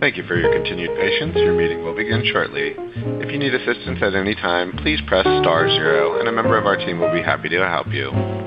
Hello and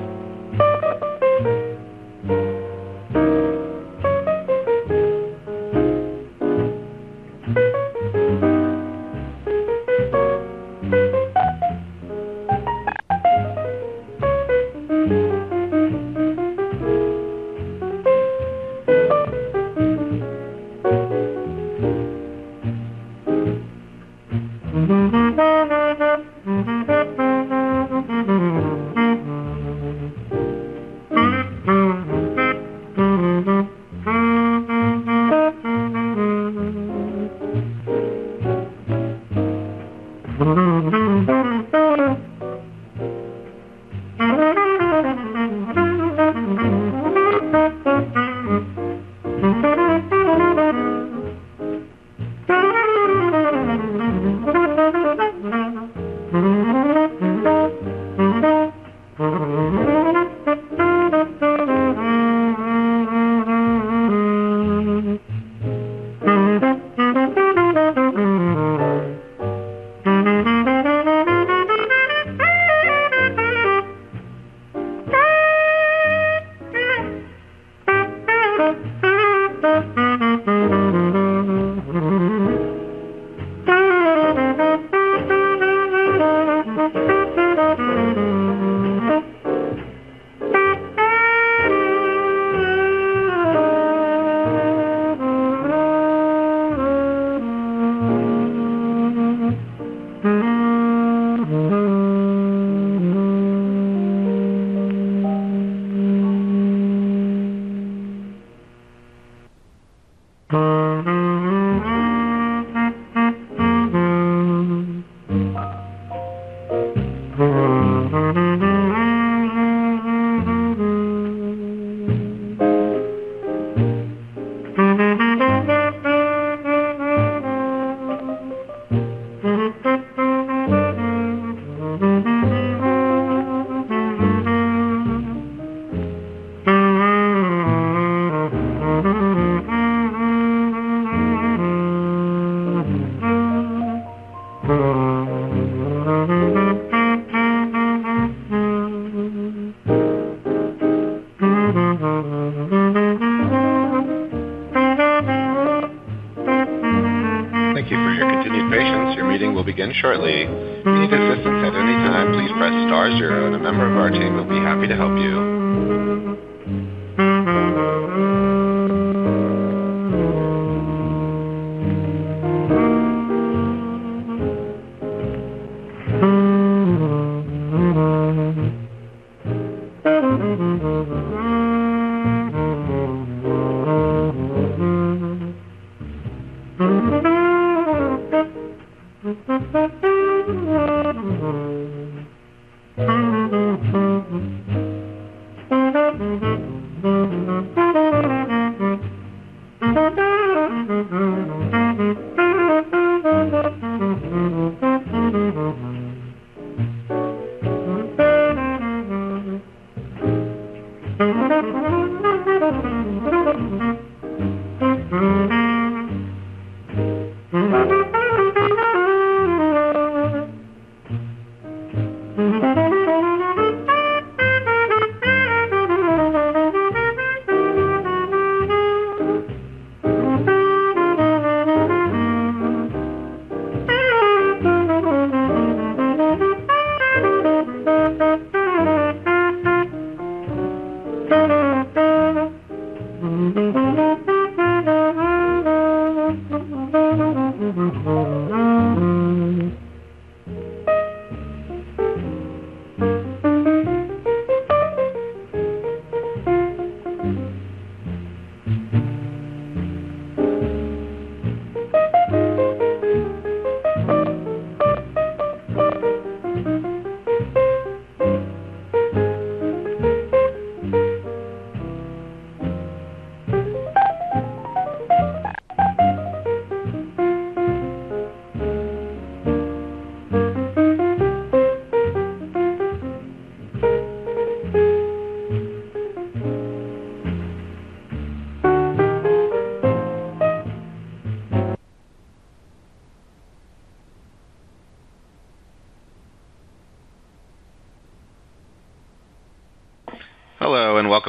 welcome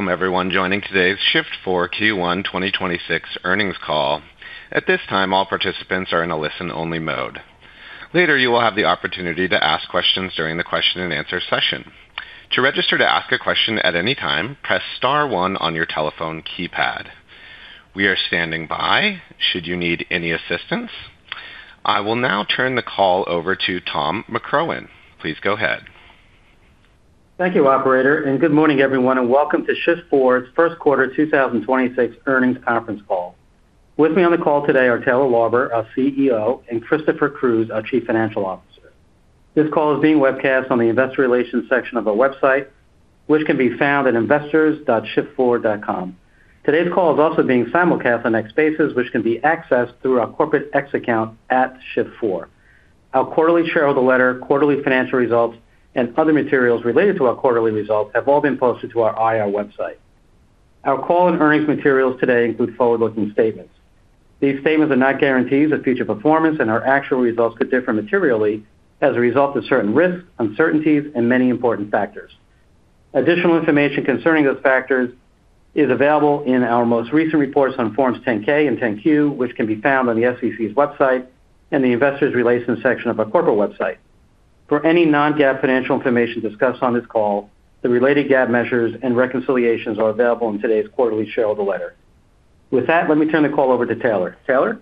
everyone joining today's Shift4 Q1 2026 earnings call. At this time, all participants are in a listen-only mode. Later, you will have the opportunity to ask questions during the question-and-answer session. To register to ask a question at any time, press star one on your telephone keypad. We are standing by should you need any assistance. I will now turn the call over to Tom McCrohan. Please go ahead. Thank you, operator, and good morning everyone, and welcome to Shift4's first quarter 2026 earnings conference call. With me on the call today are Taylor Lauber, our CEO, and Christopher Cruz, our Chief Financial Officer. This call is being webcast on the investor relations section of our website, which can be found at investors.shift4.com. Today's call is also being simulcast on X Spaces, which can be accessed through our corporate X account at Shift4. Our quarterly shareholder letter, quarterly financial results, and other materials related to our quarterly results have all been posted to our IR website. Our call and earnings materials today include forward-looking statements. These statements are not guarantees of future performance, and our actual results could differ materially as a result of certain risks, uncertainties, and many important factors. Additional information concerning those factors is available in our most recent reports on Forms 10-K and 10-Q, which can be found on the SEC's website and the Investor Relations section of our corporate website. For any non-GAAP financial information discussed on this call, the related GAAP measures and reconciliations are available in today's quarterly shareholder letter. With that, let me turn the call over to Taylor. Taylor?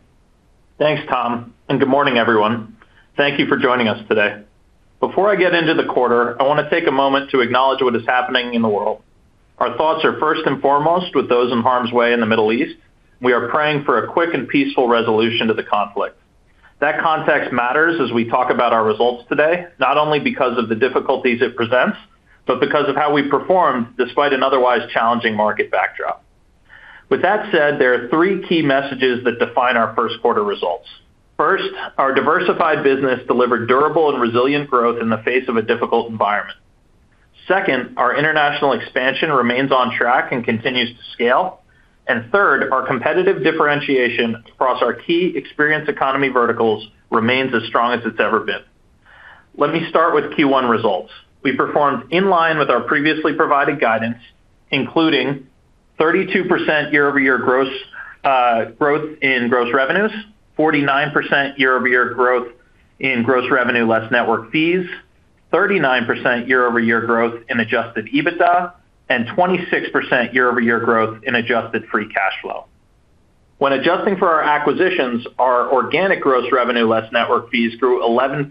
Thanks, Tom. Good morning, everyone. Thank you for joining us today. Before I get into the quarter, I want to take a moment to acknowledge what is happening in the world. Our thoughts are first and foremost with those in harm's way in the Middle East. We are praying for a quick and peaceful resolution to the conflict. That context matters as we talk about our results today, not only because of the difficulties it presents, but because of how we performed despite an otherwise challenging market backdrop. With that said, there are three key messages that define our first quarter results. First, our diversified business delivered durable and resilient growth in the face of a difficult environment. Second, our international expansion remains on track and continues to scale. Third, our competitive differentiation across our key experience economy verticals remains as strong as it's ever been. Let me start with Q1 results. We performed in line with our previously provided guidance, including 32% year-over-year growth in gross revenues, 49% year-over-year growth in gross revenue less network fees, 39% year-over-year growth in Adjusted EBITDA, and 26% year-over-year growth in adjusted free cash flow. When adjusting for our acquisitions, our organic gross revenue less network fees grew 11%,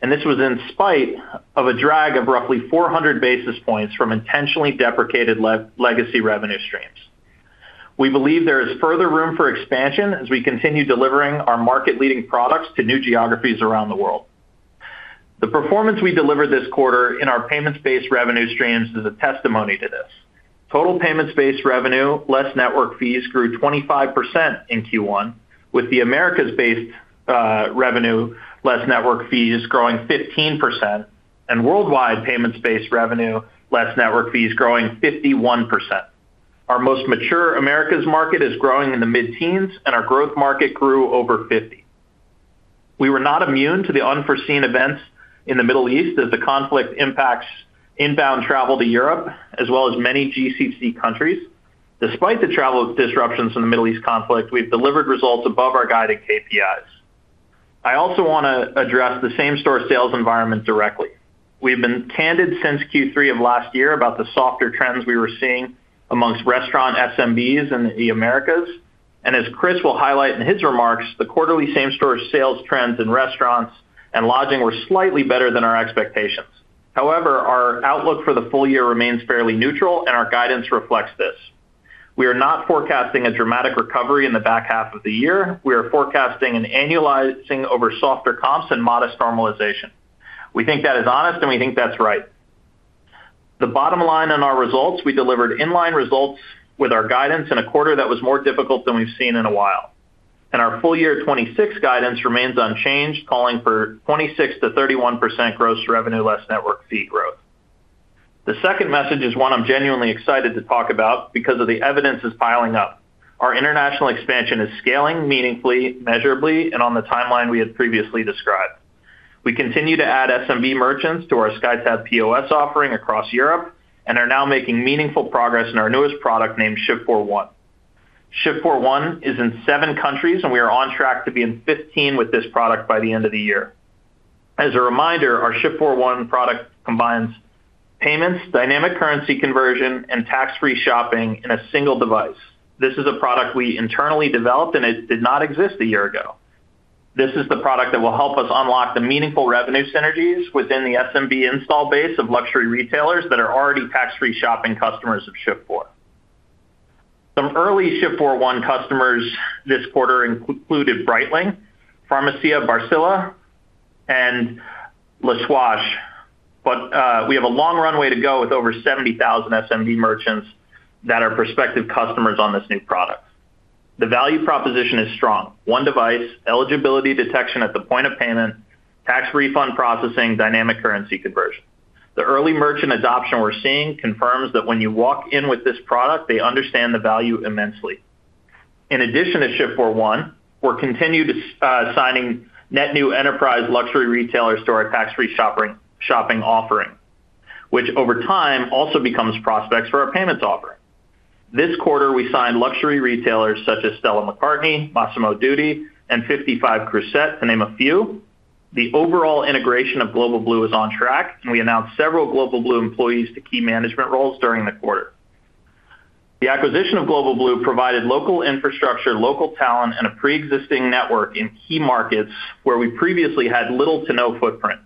and this was in spite of a drag of roughly 400 basis points from intentionally deprecated legacy revenue streams. We believe there is further room for expansion as we continue delivering our market-leading products to new geographies around the world. The performance we delivered this quarter in our payments-based revenue streams is a testimony to this. Total payments-based revenue less network fees grew 25% in Q1, with the Americas-based revenue less network fees growing 15% and worldwide payments-based revenue less network fees growing 51%. Our most mature Americas market is growing in the mid-teens, and our growth market grew over 50%. We were not immune to the unforeseen events in the Middle East as the conflict impacts inbound travel to Europe, as well as many GCC countries. Despite the travel disruptions from the Middle East conflict, we've delivered results above our guided KPIs. I also want to address the same-store sales environment directly. We've been candid since Q3 of last year about the softer trends we were seeing amongst restaurant SMBs in the Americas. As Chris will highlight in his remarks, the quarterly same-store sales trends in restaurants and lodging were slightly better than our expectations. Our outlook for the full year remains fairly neutral, and our guidance reflects this. We are not forecasting a dramatic recovery in the back half of the year. We are forecasting and annualizing over softer comps and modest normalization. We think that is honest, and we think that's right. The bottom line on our results, we delivered in-line results with our guidance in a quarter that was more difficult than we've seen in a while, and our full year 2026 guidance remains unchanged, calling for 26%-31% Gross Revenue Less Network Fee growth. The second message is one I'm genuinely excited to talk about because of the evidence is piling up. Our international expansion is scaling meaningfully, measurably, and on the timeline we had previously described. We continue to add SMB merchants to our SkyTab POS offering across Europe and are now making meaningful progress in our newest product named Shift4 One. Shift4 One is in seven countries, and we are on track to be in 15 with this product by the end of the year. As a reminder, our Shift4 One product combines payments, dynamic currency conversion, and tax-free shopping in a single device. This is a product we internally developed, and it did not exist a year ago. This is the product that will help us unlock the meaningful revenue synergies within the SMB install base of luxury retailers that are already tax-free shopping customers of Shift4. Some early Shift4 One customers this quarter included Breitling, Farmacia Barcelona, and Swatch. We have a long runway to go with over 70,000 SMB merchants that are prospective customers on this new product. The value proposition is strong. One device, eligibility detection at the point of payment, tax refund processing, dynamic currency conversion. The early merchant adoption we're seeing confirms that when you walk in with this product, they understand the value immensely. In addition to Shift4, we're continued signing net new enterprise luxury retailers to our tax-free shopping offering, which over time also becomes prospects for our payments offering. This quarter, we signed luxury retailers such as Stella McCartney, Massimo Dutti, and 55 Croisette, to name a few. The overall integration of Global Blue is on track, and we announced several Global Blue employees to key management roles during the quarter. The acquisition of Global Blue provided local infrastructure, local talent, and a preexisting network in key markets where we previously had little to no footprint.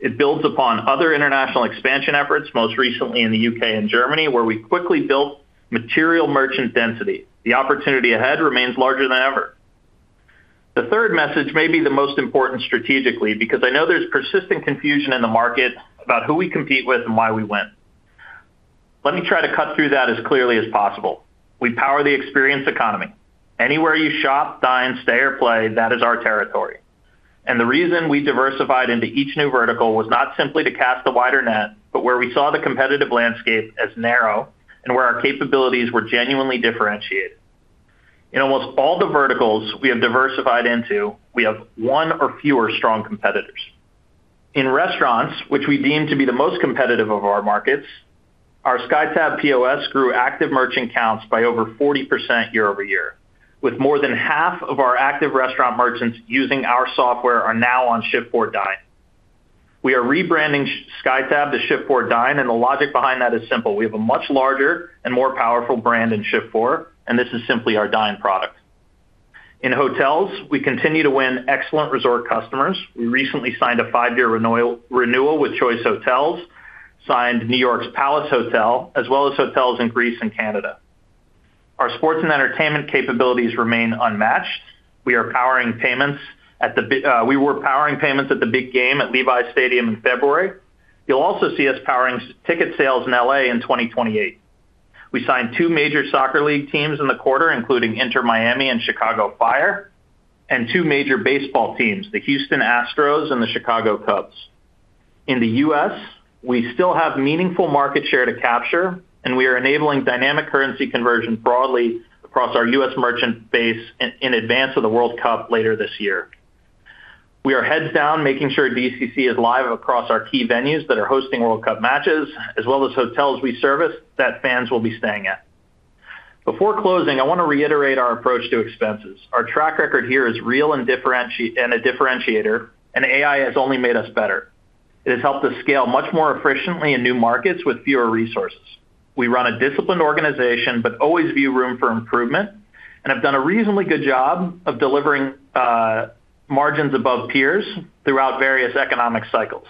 It builds upon other international expansion efforts, most recently in the U.K. and Germany, where we quickly built material merchant density. The opportunity ahead remains larger than ever. The third message may be the most important strategically because I know there's persistent confusion in the market about who we compete with and why we win. Let me try to cut through that as clearly as possible. We power the experience economy. Anywhere you shop, dine, stay, or play, that is our territory. The reason we diversified into each new vertical was not simply to cast a wider net, but where we saw the competitive landscape as narrow and where our capabilities were genuinely differentiated. In almost all the verticals we have diversified into, we have one or fewer strong competitors. In restaurants, which we deem to be the most competitive of our markets, our SkyTab POS grew active merchant counts by over 40% year-over-year, with more than half of our active restaurant merchants using our software are now on Shift4 Dine. We are rebranding SkyTab to Shift4 Dine, the logic behind that is simple. We have a much larger and more powerful brand in Shift4, this is simply our Dine product. In hotels, we continue to win excellent resort customers. We recently signed a 5-year renewal with Choice Hotels, signed Lotte New York Palace Hotel, as well as hotels in Greece and Canada. Our sports and entertainment capabilities remain unmatched. We were powering payments at the big game at Levi's Stadium in February. You'll also see us powering ticket sales in L.A. in 2028. We signed two major soccer league teams in the quarter, including Inter Miami and Chicago Fire, and two major baseball teams, the Houston Astros and the Chicago Cubs. In the U.S., we still have meaningful market share to capture, and we are enabling dynamic currency conversion broadly across our U.S. merchant base in advance of the World Cup later this year. We are heads down, making sure DCC is live across our key venues that are hosting World Cup matches, as well as hotels we service that fans will be staying at. Before closing, I wanna reiterate our approach to expenses. Our track record here is real and a differentiator, and AI has only made us better. It has helped us scale much more efficiently in new markets with fewer resources. We run a disciplined organization, but always view room for improvement, and have done a reasonably good job of delivering margins above peers throughout various economic cycles.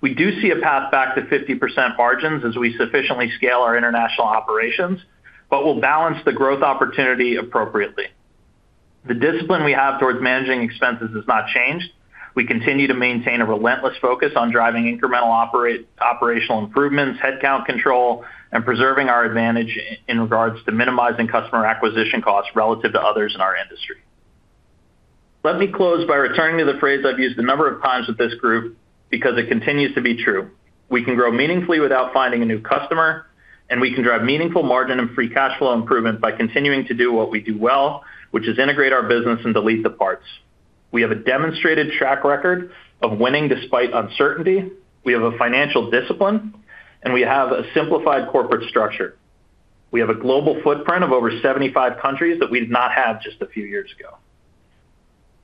We do see a path back to 50% margins as we sufficiently scale our international operations, but will balance the growth opportunity appropriately. The discipline we have towards managing expenses has not changed. We continue to maintain a relentless focus on driving incremental operational improvements, headcount control, and preserving our advantage in regards to minimizing customer acquisition costs relative to others in our industry. Let me close by returning to the phrase I've used a number of times with this group, because it continues to be true. We can grow meaningfully without finding a new customer, and we can drive meaningful margin and free cash flow improvement by continuing to do what we do well, which is integrate our business and delete the parts. We have a demonstrated track record of winning despite uncertainty, we have a financial discipline, and we have a simplified corporate structure. We have a global footprint of over 75 countries that we did not have just a few years ago.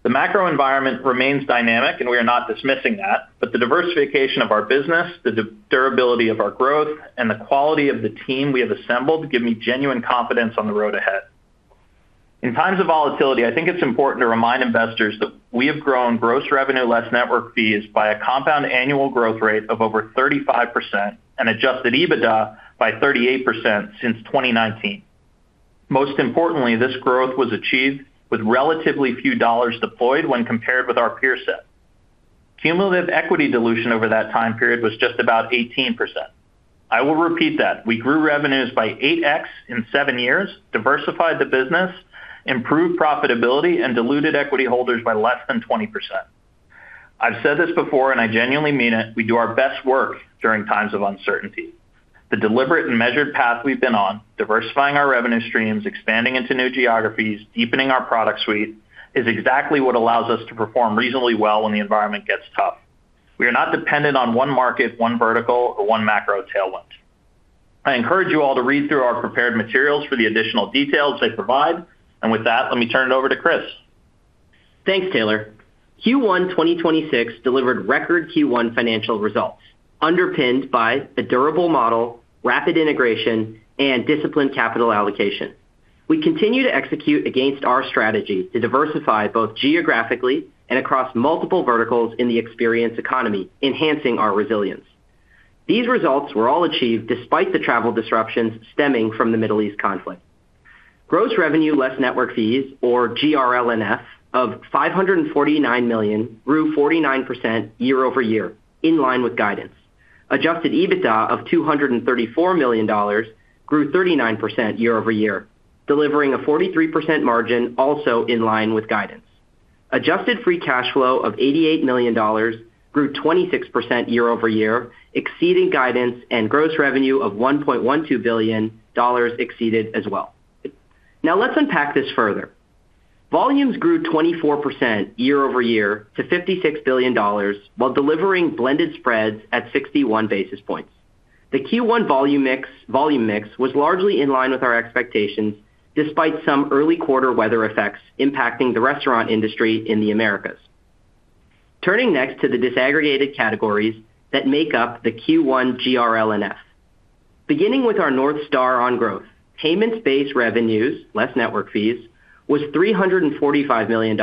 The macro environment remains dynamic, and we are not dismissing that, but the diversification of our business, the durability of our growth, and the quality of the team we have assembled give me genuine confidence on the road ahead. In times of volatility, I think it's important to remind investors that we have grown gross revenue less network fees by a compound annual growth rate of over 35% and Adjusted EBITDA by 38% since 2019. Most importantly, this growth was achieved with relatively few dollars deployed when compared with our peer set. Cumulative equity dilution over that time period was just about 18%. I will repeat that. We grew revenues by 8x in seven years, diversified the business, improved profitability, and diluted equity holders by less than 20%. I've said this before, I genuinely mean it, we do our best work during times of uncertainty. The deliberate and measured path we've been on, diversifying our revenue streams, expanding into new geographies, deepening our product suite, is exactly what allows us to perform reasonably well when the environment gets tough. We are not dependent on one market, one vertical, or one macro tailwind. I encourage you all to read through our prepared materials for the additional details they provide. With that, let me turn it over to Chris. Thanks, Taylor. Q1 2026 delivered record Q1 financial results, underpinned by a durable model, rapid integration, and disciplined capital allocation. We continue to execute against our strategy to diversify both geographically and across multiple verticals in the experience economy, enhancing our resilience. These results were all achieved despite the travel disruptions stemming from the Middle East conflict. Gross revenue less network fees, or GRLNF, of $549 million grew 49% year-over-year, in line with guidance. Adjusted EBITDA of $234 million grew 39% year-over-year, delivering a 43% margin also in line with guidance. Adjusted free cash flow of $88 million grew 26% year-over-year, exceeding guidance, and gross revenue of $1.12 billion exceeded as well. Let's unpack this further. Volumes grew 24% year-over-year to $56 billion while delivering blended spreads at 61 basis points. The Q1 volume mix was largely in line with our expectations despite some early quarter weather effects impacting the restaurant industry in the Americas. Turning next to the disaggregated categories that make up the Q1 GRLNF. Beginning with our North Star on growth, payments-based revenues, less network fees, was $345 million,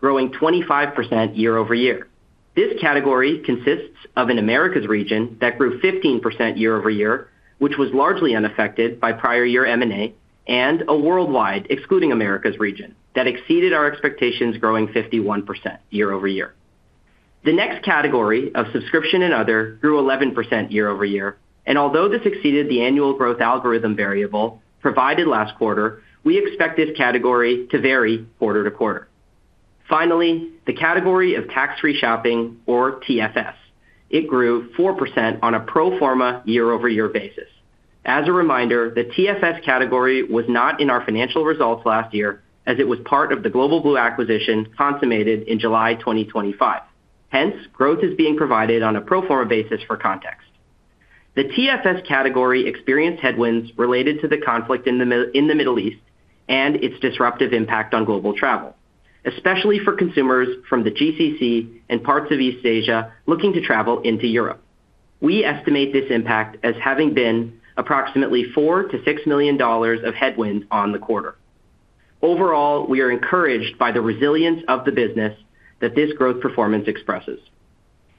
growing 25% year-over-year. This category consists of an Americas region that grew 15% year-over-year, which was largely unaffected by prior year M&A, and a worldwide, excluding Americas region, that exceeded our expectations, growing 51% year-over-year. The next category of subscription and other grew 11% year-over-year, and although this exceeded the annual growth algorithm variable provided last quarter, we expect this category to vary quarter-to-quarter. Finally, the category of tax-free shopping, or TFS. It grew 4% on a pro forma year-over-year basis. As a reminder, the TFS category was not in our financial results last year, as it was part of the Global Blue acquisition consummated in July 2025. Hence, growth is being provided on a pro forma basis for context. The TFS category experienced headwinds related to the conflict in the Middle East and its disruptive impact on global travel, especially for consumers from the GCC and parts of East Asia looking to travel into Europe. We estimate this impact as having been approximately $4 million-$6 million of headwinds on the quarter. Overall, we are encouraged by the resilience of the business that this growth performance expresses.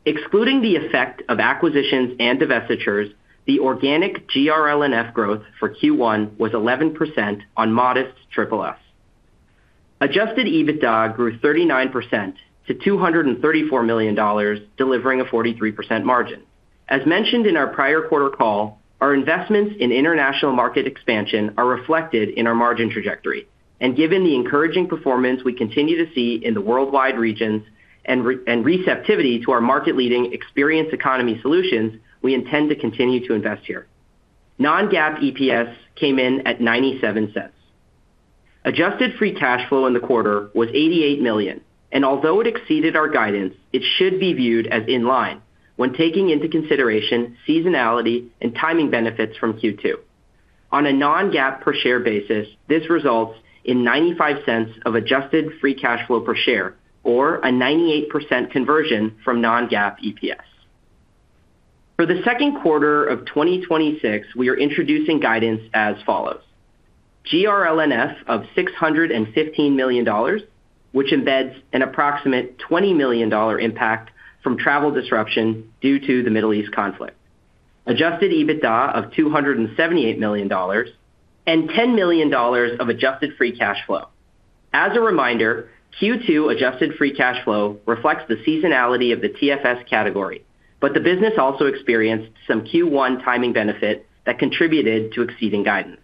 Excluding the effect of acquisitions and divestitures, the organic GRLNF growth for Q1 was 11% on modest SSS. Adjusted EBITDA grew 39% to $234 million, delivering a 43% margin. As mentioned in our prior quarter call, our investments in international market expansion are reflected in our margin trajectory. Given the encouraging performance we continue to see in the worldwide regions and receptivity to our market-leading experience economy solutions, we intend to continue to invest here. Non-GAAP EPS came in at $0.97. Adjusted free cash flow in the quarter was $88 million, and although it exceeded our guidance, it should be viewed as in line when taking into consideration seasonality and timing benefits from Q2. On a non-GAAP per share basis, this results in $0.95 of adjusted free cash flow per share or a 98% conversion from Non-GAAP EPS. For the second quarter of 2026, we are introducing guidance as follows, GRLNF of $615 million, which embeds an approximate $20 million impact from travel disruption due to the Middle East conflict, adjusted EBITDA of $278 million, and $10 million of adjusted free cash flow. As a reminder, Q2 adjusted free cash flow reflects the seasonality of the TFS category, but the business also experienced some Q1 timing benefit that contributed to exceeding guidance.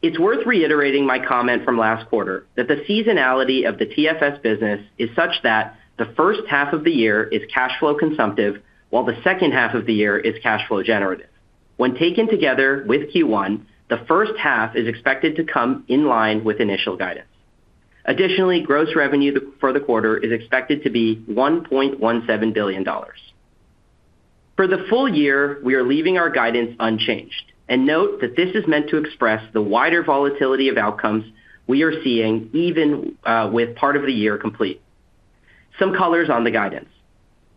It's worth reiterating my comment from last quarter that the seasonality of the TFS business is such that the first half of the year is cash flow consumptive, while the second half of the year is cash flow generative. When taken together with Q1, the first half is expected to come in line with initial guidance. Additionally, gross revenue for the quarter is expected to be $1.17 billion. For the full year, we are leaving our guidance unchanged, note that this is meant to express the wider volatility of outcomes we are seeing even with part of the year complete. Some colors on the guidance.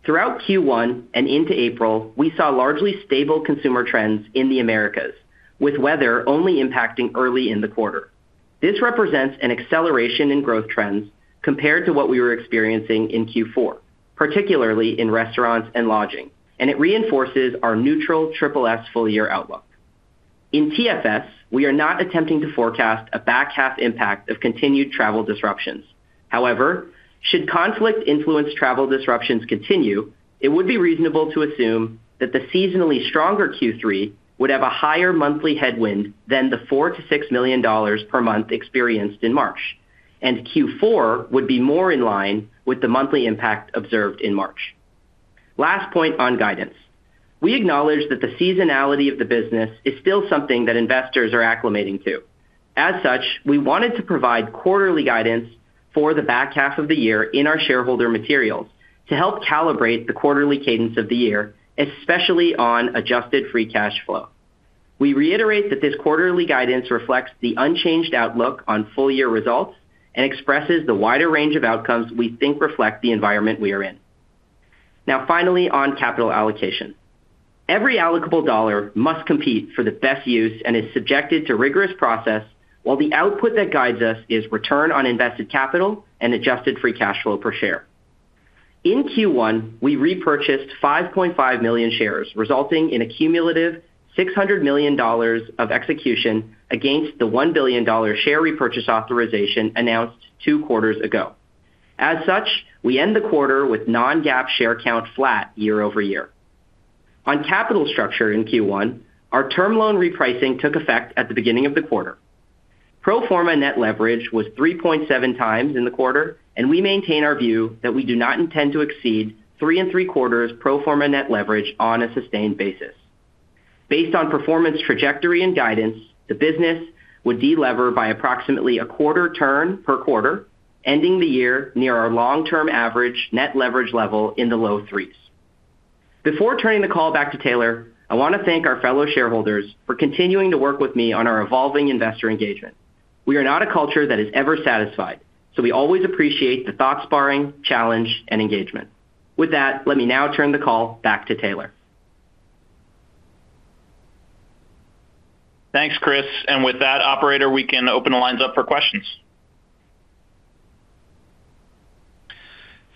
Throughout Q1 and into April, we saw largely stable consumer trends in the Americas, with weather only impacting early in the quarter. This represents an acceleration in growth trends compared to what we were experiencing in Q4, particularly in restaurants and lodging, it reinforces our neutral SSS full year outlook. In TFS, we are not attempting to forecast a back half impact of continued travel disruptions. Should conflict influence travel disruptions continue, it would be reasonable to assume that the seasonally stronger Q3 would have a higher monthly headwind than the $4 million-$6 million per month experienced in March, and Q4 would be more in line with the monthly impact observed in March. Last point on guidance. We acknowledge that the seasonality of the business is still something that investors are acclimating to. We wanted to provide quarterly guidance for the back half of the year in our shareholder materials to help calibrate the quarterly cadence of the year, especially on Adjusted free cash flow. We reiterate that this quarterly guidance reflects the unchanged outlook on full year results and expresses the wider range of outcomes we think reflect the environment we are in. Finally, on capital allocation. Every allocable dollar must compete for the best use and is subjected to rigorous process, while the output that guides us is return on invested capital and adjusted free cash flow per share. In Q1, we repurchased 5.5 million shares, resulting in a cumulative $600 million of execution against the $1 billion share repurchase authorization announced two quarters ago. We end the quarter with Non-GAAP share count flat year-over-year. On capital structure in Q1, our term loan repricing took effect at the beginning of the quarter. Pro forma net leverage was 3.7x in the quarter, and we maintain our view that we do not intend to exceed 3.75 pro forma net leverage on a sustained basis. Based on performance trajectory and guidance, the business would de-lever by approximately a quarter turn per quarter, ending the year near our long-term average net leverage level in the low threes. Before turning the call back to Taylor, I want to thank our fellow shareholders for continuing to work with me on our evolving investor engagement. We are not a culture that is ever satisfied, so we always appreciate the thought sparring, challenge, and engagement. With that, let me now turn the call back to Taylor. Thanks, Chris. With that, operator, we can open the lines up for questions.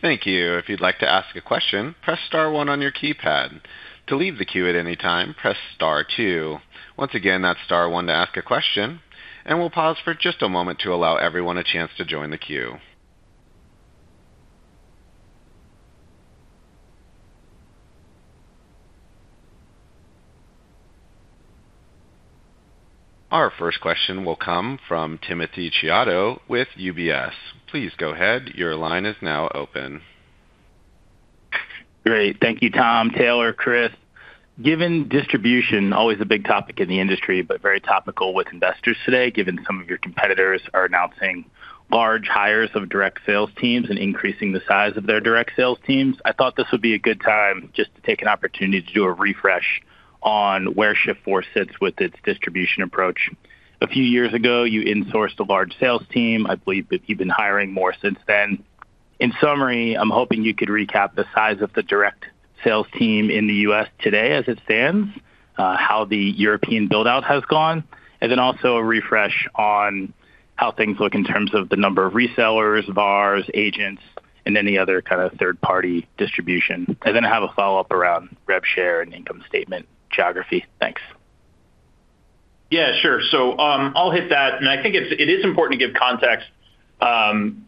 Thank you. If you'd like to ask a question, press star one on your keypad. To leave the queue at any time, press star two. Once again, that's star one to ask a question, and we'll pause for just a moment to allow everyone a chance to join the queue. Our first question will come from Timothy Chiodo with UBS. Please go ahead. Your line is now open. Great. Thank you, Tom, Taylor, Chris. Given distribution, always a big topic in the industry, but very topical with investors today, given some of your competitors are announcing large hires of direct sales teams and increasing the size of their direct sales teams. I thought this would be a good time just to take an opportunity to do a refresh on where Shift4 sits with its distribution approach. A few years ago, you insourced a large sales team. I believe that you've been hiring more since then. In summary, I'm hoping you could recap the size of the direct sales team in the U.S. today as it stands, how the European build-out has gone, and then also a refresh on how things look in terms of the number of resellers, VARs, agents, and any other kind of third-party distribution. I have a follow-up around rep share and income statement geography. Thanks. Yeah, sure. I'll hit that. I think it is important to give context,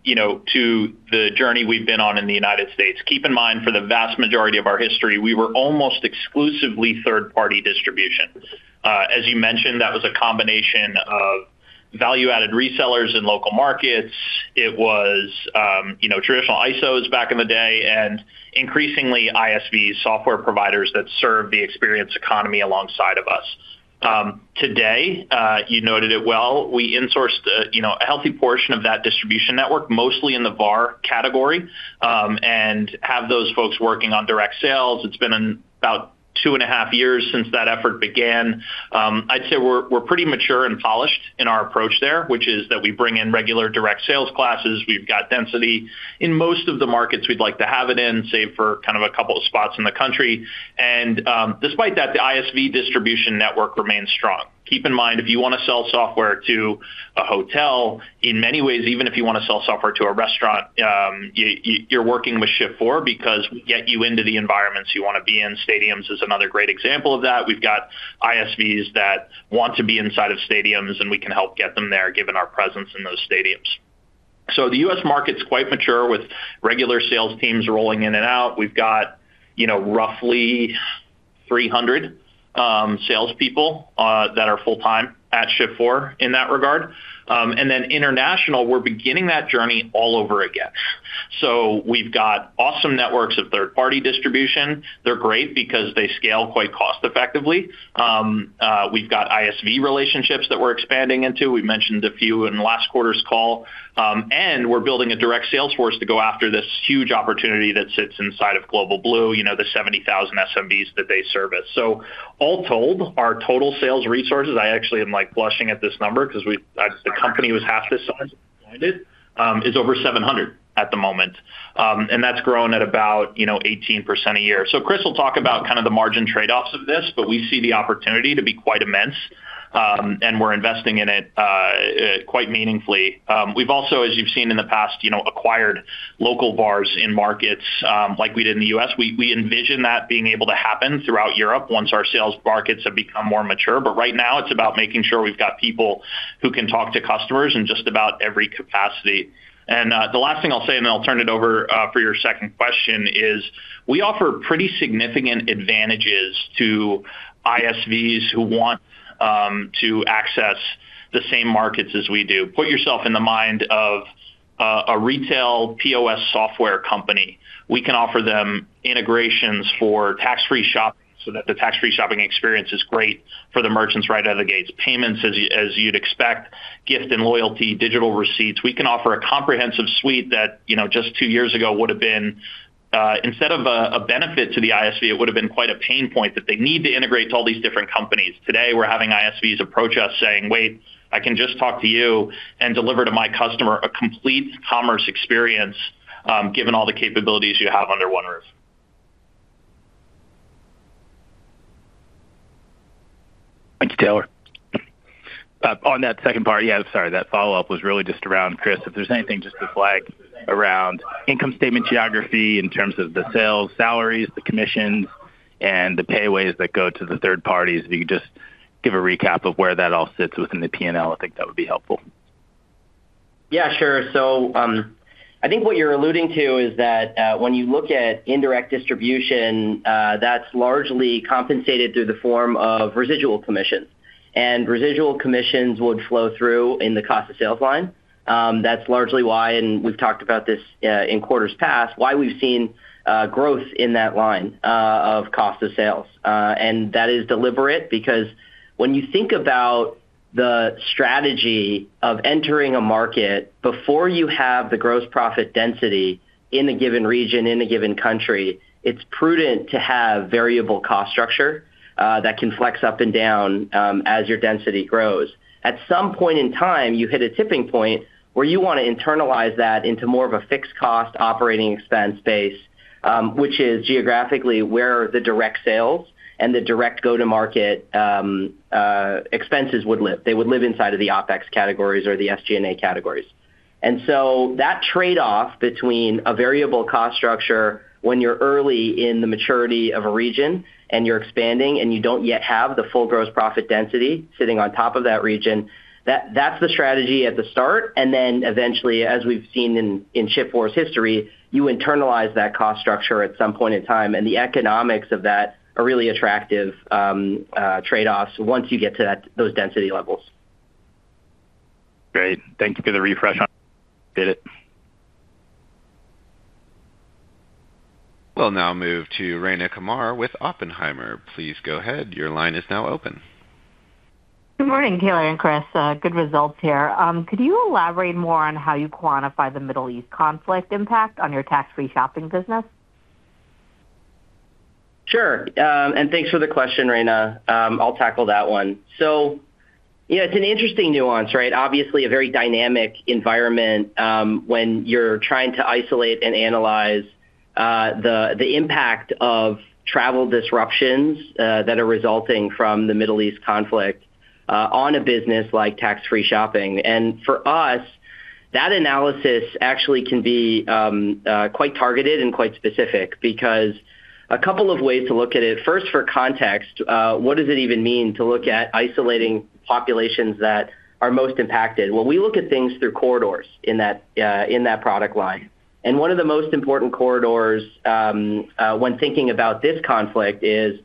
you know, to the journey we've been on in the United States. Keep in mind, for the vast majority of our history, we were almost exclusively third-party distribution. As you mentioned, that was a combination of value-added resellers in local markets. It was, you know, traditional ISOs back in the day, and increasingly ISV software providers that serve the experience economy alongside of us. Today, you noted it well, we insourced, you know, a healthy portion of that distribution network, mostly in the VAR category, and have those folks working on direct sales. It's been about two and a half years since that effort began. I'd say we're pretty mature and polished in our approach there, which is that we bring in regular direct sales classes. We've got density in most of the markets we'd like to have it in, save for kind of a couple of spots in the country. Despite that, the ISV distribution network remains strong. Keep in mind, if you wanna sell software to a hotel, in many ways, even if you wanna sell software to a restaurant, you're working with Shift4 because we get you into the environments you wanna be in. Stadiums is another great example of that. We've got ISVs that want to be inside of stadiums, and we can help get them there given our presence in those stadiums. The U.S. market's quite mature with regular sales teams rolling in and out. We've got, you know, roughly 300 salespeople that are full-time at Shift4 in that regard. Then international, we're beginning that journey all over again. We've got awesome networks of third-party distribution. They're great because they scale quite cost-effectively. We've got ISV relationships that we're expanding into. We mentioned a few in last quarter's call. We're building a direct sales force to go after this huge opportunity that sits inside of Global Blue, you know, the 70,000 SMBs that they service. All told, our total sales resources, I actually am, like, blushing at this number 'cause the company was half this size when I joined it, is over 700 at the moment. That's grown at about, you know, 18% a year. Chris will talk about kind of the margin trade-offs of this, but we see the opportunity to be quite immense, and we're investing in it quite meaningfully. We've also, as you've seen in the past, you know, acquired local VARs in markets, like we did in the U.S. We envision that being able to happen throughout Europe once our sales markets have become more mature. Right now, it's about making sure we've got people who can talk to customers in just about every capacity. The last thing I'll say, and then I'll turn it over for your second question, is we offer pretty significant advantages to ISVs who want to access the same markets as we do. Put yourself in the mind of a retail POS software company. We can offer them integrations for tax-free shopping so that the tax-free shopping experience is great for the merchants right out of the gates. Payments, as you'd expect, gift and loyalty, digital receipts. We can offer a comprehensive suite that, you know, just two years ago would've been instead of a benefit to the ISV, it would've been quite a pain point that they need to integrate to all these different companies. Today, we're having ISVs approach us saying, "Wait, I can just talk to you and deliver to my customer a complete commerce experience, given all the capabilities you have under one roof. Thanks, Taylor. On that second part, yeah, sorry, that follow-up was really just around, Chris, if there's anything just to flag around income statement geography in terms of the sales, salaries, the commissions, and the pay ways that go to the third parties. If you could just give a recap of where that all sits within the P&L, I think that would be helpful. Yeah, sure. I think what you're alluding to is that, when you look at indirect distribution, that's largely compensated through the form of residual commissions. Residual commissions would flow through in the cost of sales line. That's largely why, and we've talked about this, in quarters past, why we've seen, growth in that line, of cost of sales. That is deliberate because when you think about the strategy of entering a market before you have the gross profit density in a given region, in a given country, it's prudent to have variable cost structure, that can flex up and down, as your density grows. At some point in time, you hit a tipping point where you wanna internalize that into more of a fixed cost operating expense base, which is geographically where the direct sales and the direct go-to-market expenses would live. They would live inside of the OpEx categories or the SG&A categories. That trade-off between a variable cost structure when you're early in the maturity of a region and you're expanding and you don't yet have the full gross profit density sitting on top of that region, that's the strategy at the start. Eventually, as we've seen in Shift4 history, you internalize that cost structure at some point in time, and the economics of that are really attractive trade-offs once you get to those density levels. Great. Thanks for the refresh on. We'll now move to Rayna Kumar with Oppenheimer. Please go ahead. Good morning, Taylor and Chris. Good results here. Could you elaborate more on how you quantify the Middle East conflict impact on your tax-free shopping business? Sure. Thanks for the question, Rayna. I'll tackle that one. You know, it's an interesting nuance, right? Obviously, a very dynamic environment, when you're trying to isolate and analyze the impact of travel disruptions that are resulting from the Middle East conflict on a business like tax-free shopping. For us, that analysis actually can be quite targeted and quite specific because a couple of ways to look at it. First, for context, what does it even mean to look at isolating populations that are most impacted? Well, we look at things through corridors in that in that product line. One of the most important corridors when thinking about this conflict is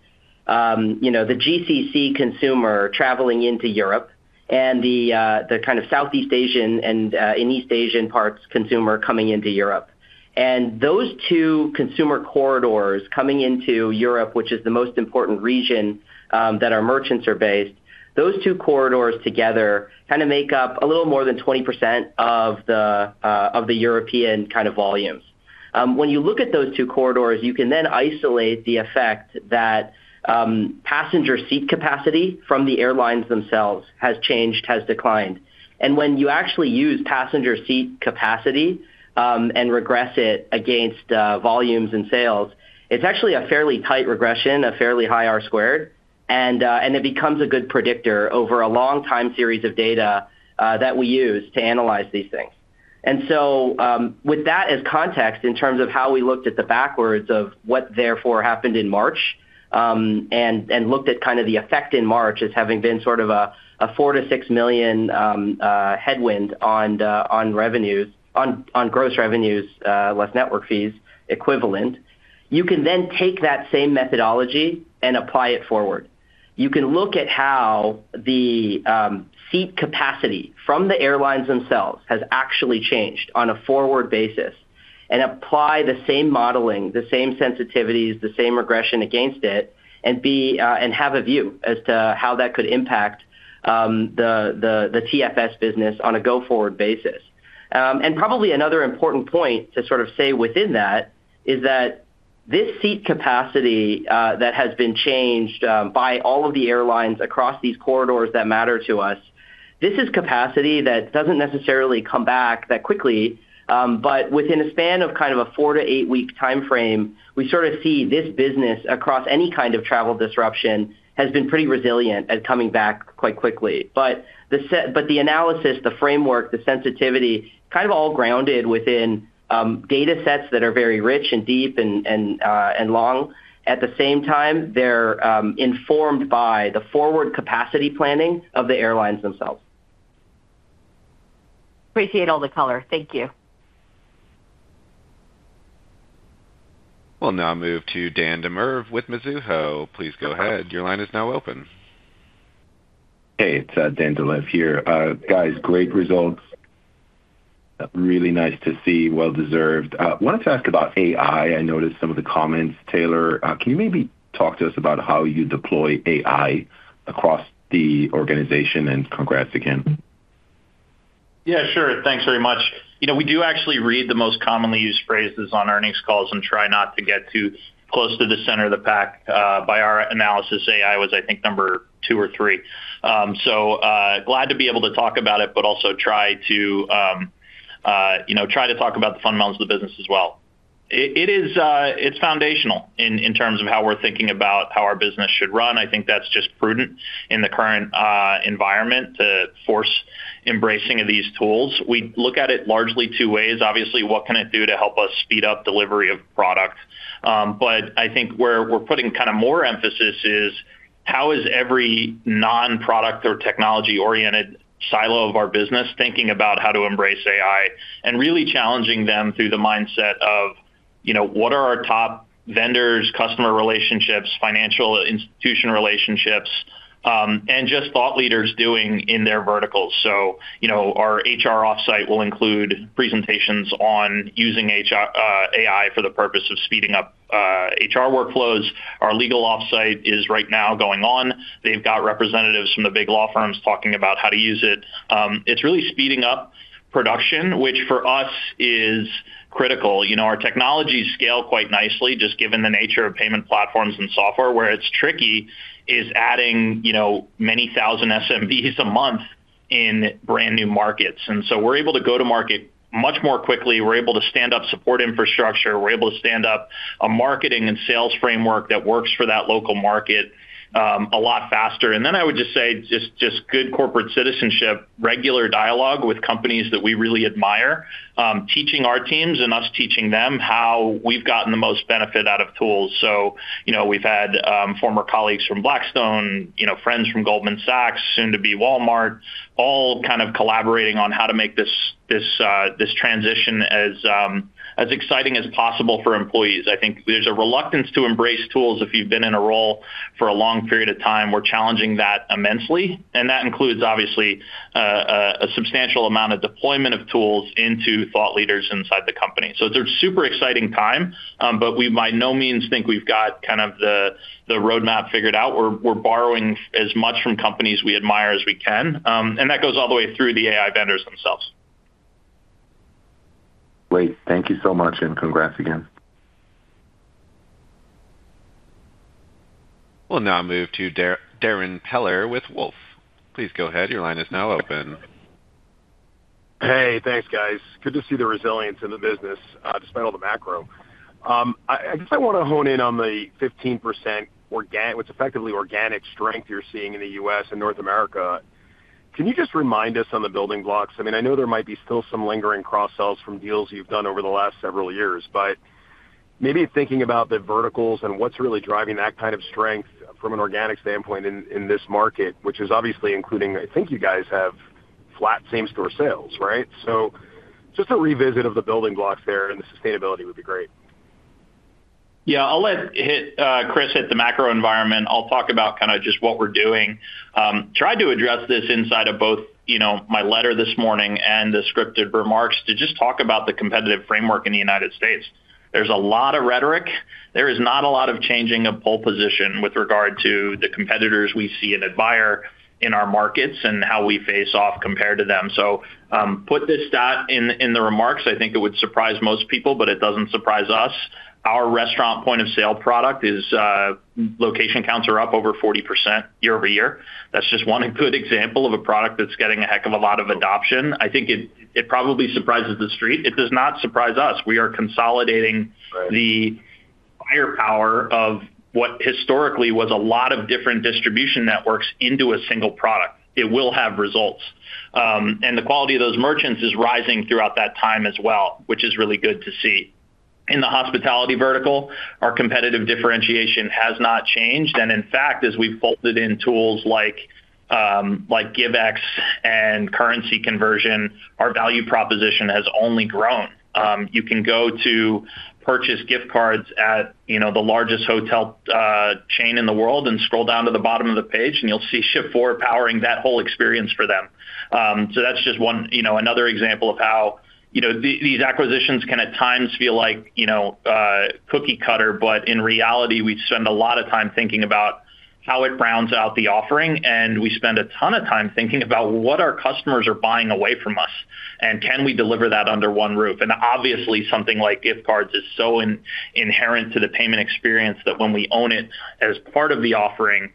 the GCC consumer traveling into Europe and the kind of Southeast Asian and East Asian parts consumer coming into Europe. Those two consumer corridors coming into Europe, which is the most important region that our merchants are based, those two corridors together kinda make up a little more than 20% of the European kind of volumes. When you look at those two corridors, you can then isolate the effect that passenger seat capacity from the airlines themselves has changed, has declined. When you actually use passenger seat capacity and regress it against volumes and sales, it's actually a fairly tight regression, a fairly high R-squared. It becomes a good predictor over a long time series of data that we use to analyze these things. With that as context in terms of how we looked at the backwards of what therefore happened in March, and looked at kind of the effect in March as having been sort of a $4 million-$6 million headwind on gross revenues, less network fees equivalent. You can then take that same methodology and apply it forward. You can look at how the seat capacity from the airlines themselves has actually changed on a forward basis and apply the same modeling, the same sensitivities, the same regression against it and have a view as to how that could impact the TFS business on a go-forward basis. Probably another important point to sort of say within that is that this seat capacity that has been changed by all of the airlines across these corridors that matter to us, this is capacity that doesn't necessarily come back that quickly. Within a span of kind of a four to eight-week timeframe, we sort of see this business across any kind of travel disruption has been pretty resilient at coming back quite quickly. The analysis, the framework, the sensitivity kind of all grounded within datasets that are very rich and deep and long. At the same time, they're informed by the forward capacity planning of the airlines themselves. Appreciate all the color. Thank you. We'll now move to Dan Dolev with Mizuho. Please go ahead. Your line is now open. Hey, it's Dan Dolev here. Guys, great results. Really nice to see. Well deserved. Wanted to ask about AI. I noticed some of the comments. Taylor, can you maybe talk to us about how you deploy AI across the organization? Congrats again. Yeah, sure. Thanks very much. You know, we do actually read the most commonly used phrases on earnings calls and try not to get too close to the center of the pack. By our analysis, AI was, I think, number two or three. Glad to be able to talk about it, but also try to, you know, try to talk about the fundamentals of the business as well. It is, it's foundational in terms of how we're thinking about how our business should run. I think that's just prudent in the current environment to force embracing of these tools. We look at it largely two ways. Obviously, what can it do to help us speed up delivery of product? I think where we're putting kind of more emphasis is how is every non-product or technology-oriented silo of our business thinking about how to embrace AI and really challenging them through the mindset of, you know, what are our top vendors, customer relationships, financial institution relationships, and just thought leaders doing in their verticals. You know, our HR offsite will include presentations on using AI for the purpose of speeding up HR workflows. Our legal offsite is right now going on. They've got representatives from the big law firms talking about how to use it. It's really speeding up production, which for us is critical. You know, our technologies scale quite nicely, just given the nature of payment platforms and software. Where it's tricky is adding, you know, many thousand SMBs a month in brand new markets. We're able to go to market much more quickly. We're able to stand up support infrastructure. We're able to stand up a marketing and sales framework that works for that local market, a lot faster. I would just say just good corporate citizenship, regular dialogue with companies that we really admire, teaching our teams and us teaching them how we've gotten the most benefit out of tools. You know, we've had former colleagues from Blackstone, you know, friends from Goldman Sachs, soon to be Walmart, all kind of collaborating on how to make this transition as exciting as possible for employees. I think there's a reluctance to embrace tools if you've been in a role for a long period of time. We're challenging that immensely, and that includes obviously a substantial amount of deployment of tools into thought leaders inside the company. It's a super exciting time, but we by no means think we've got the roadmap figured out. We're borrowing as much from companies we admire as we can, and that goes all the way through the AI vendors themselves. Great. Thank you so much, and congrats again. We'll now move to Darrin Peller with Wolfe. Please go ahead. Your line is now open. Hey, thanks, guys. Good to see the resilience in the business, despite all the macro. I guess I wanna hone in on the 15% what's effectively organic strength you're seeing in the U.S. and North America. Can you just remind us on the building blocks? I mean, I know there might be still some lingering cross-sells from deals you've done over the last several years, but maybe thinking about the verticals and what's really driving that kind of strength from an organic standpoint in this market. I think you guys have flat same-store sales, right? Just a revisit of the building blocks there and the sustainability would be great. Yeah. I'll let Chris hit the macro environment. I'll talk about kinda just what we're doing. Tried to address this inside of both, you know, my letter this morning and the scripted remarks to just talk about the competitive framework in the United States. There's a lot of rhetoric. There is not a lot of changing of pole position with regard to the competitors we see and admire in our markets and how we face off compared to them. Put this dot in the remarks. It would surprise most people, it doesn't surprise us. Our restaurant point-of-sale product is, location counts are up over 40% year-over-year. That's just one good example of a product that's getting a heck of a lot of adoption. I think it probably surprises the Street. It does not surprise us. We are consolidating. Right the firepower of what historically was a lot of different distribution networks into a single product. It will have results. The quality of those merchants is rising throughout that time as well, which is really good to see. In the hospitality vertical, our competitive differentiation has not changed. In fact, as we've bolted in tools like Givex and Currency Conversion, our value proposition has only grown. You can go to purchase gift cards at, you know, the largest hotel chain in the world and scroll down to the bottom of the page, and you'll see Shift4 powering that whole experience for them. So that's just one, you know, another example of how, you know, these acquisitions can at times feel like, you know, cookie cutter, but in reality, we spend a lot of time thinking about how it rounds out the offering, and we spend a ton of time thinking about what our customers are buying away from us, and can we deliver that under one roof. Obviously, something like gift cards is so inherent to the payment experience that when we own it as part of the offering,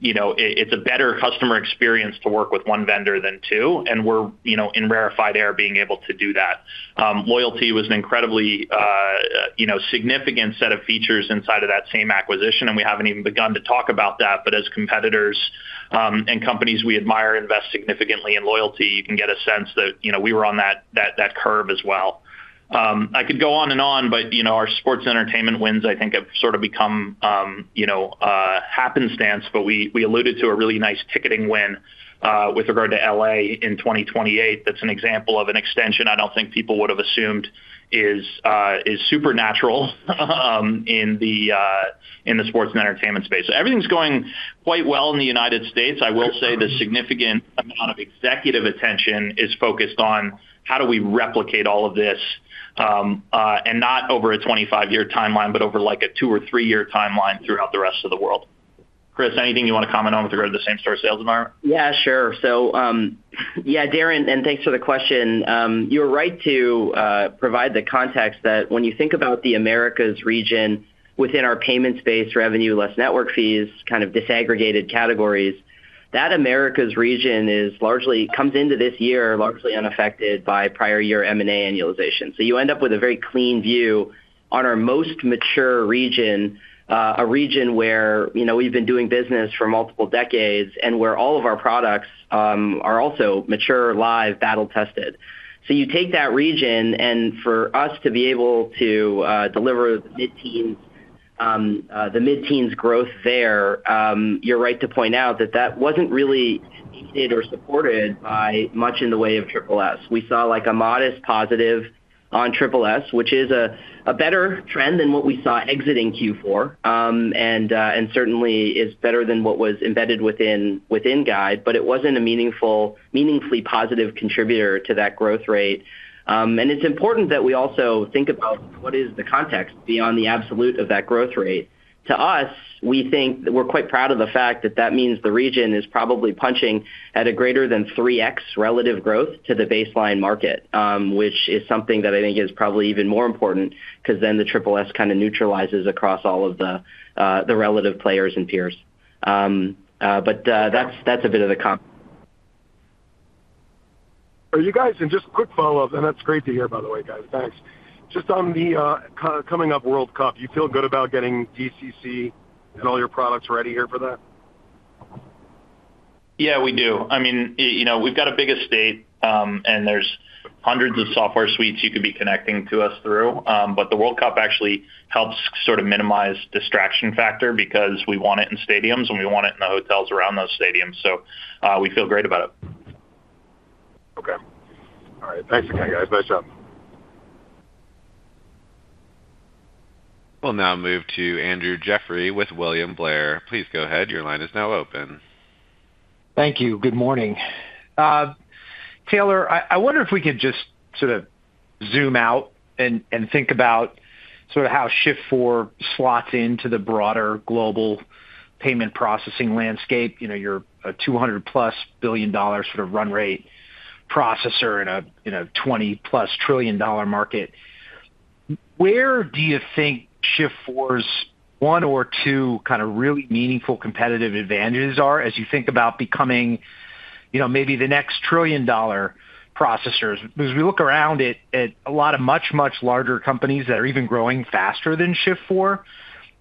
you know, it's a better customer experience to work with one vendor than two, and we're, you know, in rarefied air being able to do that. Loyalty was an incredibly, you know, significant set of features inside of that same acquisition, and we haven't even begun to talk about that. As competitors, and companies we admire invest significantly in loyalty, you can get a sense that, you know, we were on that curve as well. I could go on and on, you know, our sports entertainment wins I think have sort of become, you know, happenstance, we alluded to a really nice ticketing win with regard to L.A. in 2028. That's an example of an extension I don't think people would have assumed is supernatural in the sports and entertainment space. Everything's going quite well in the United States. I will say the significant amount of executive attention is focused on how do we replicate all of this, not over a 25-year timeline, over, like, a two or three-year timeline throughout the rest of the world. Chris, anything you wanna comment on with regard to the same-store sales environment? Yeah, sure. Yeah, Darrin, and thanks for the question. You're right to provide the context that when you think about the Americas region within our payments-based revenue less network fees kind of disaggregated categories, that Americas region comes into this year largely unaffected by prior year M&A annualization. You end up with a very clean view on our most mature region, a region where, you know, we've been doing business for multiple decades and where all of our products are also mature, live, battle tested. You take that region, and for us to be able to deliver mid-teens the mid-teens growth there, you're right to point out that that wasn't really indicated or supported by much in the way of SSS. We saw, like, a modest positive on SSS, which is a better trend than what we saw exiting Q4. Certainly is better than what was embedded within guide, but it wasn't a meaningfully positive contributor to that growth rate. It's important that we also think about what is the context beyond the absolute of that growth rate. To us, we think we're quite proud of the fact that that means the region is probably punching at a greater than 3x relative growth to the baseline market, which is something that I think is probably even more important 'cause then the SSS kinda neutralizes across all of the relative players and peers. That's, that's a bit of the con-. Just a quick follow-up, and that's great to hear, by the way, guys. Thanks. Just on the coming up World Cup, do you feel good about getting DCC and all your products ready here for that? Yeah, we do. I mean, you know, we've got a big estate, and there's hundreds of software suites you could be connecting to us through. But the World Cup actually helps sort of minimize distraction factor because we want it in stadiums, and we want it in the hotels around those stadiums. We feel great about it. Okay. All right. Thanks again, guys. Nice job. We'll now move to Andrew Jeffrey with William Blair. Please go ahead. Thank you. Good morning. Taylor, I wonder if we could just sort of zoom out and think about sort of how Shift4 slots into the broader global payment processing landscape. You know, you're a $200+ billion sort of run rate processor in a $20+ trillion market. Where do you think Shift4's one or two kind of really meaningful competitive advantages are as you think about becoming, you know, maybe the next $1 trillion processors? Because we look around at a lot of much larger companies that are even growing faster than Shift4,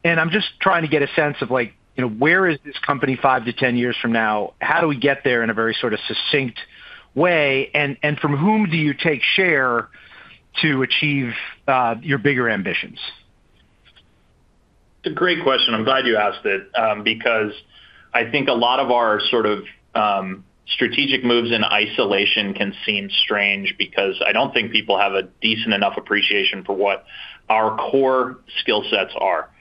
and I'm just trying to get a sense of like, you know, where is this company 5-10 years from now? How do we get there in a very sort of succinct way? From whom do you take share to achieve your bigger ambitions? It's a great question. I'm glad you asked it, because I think a lot of our sort of, strategic moves in isolation can seem strange because I don't think people have a decent enough appreciation for what our core skill sets are.